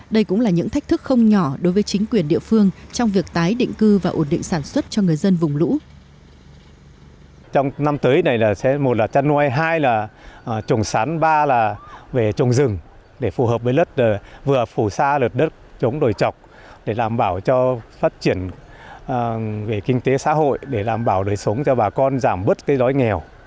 đây cũng là những thách thức không nhỏ đối với chính quyền địa phương trong việc tái định cư và ổn định sản xuất cho người dân vùng